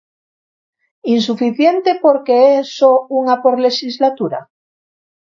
¿Insuficiente porque é só unha por lexislatura?